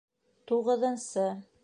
Туғыҙынсы